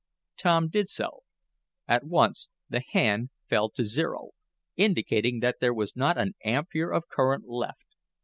Tom did so. At once the hand fell to zero, indicating that there was not an ampere of current left.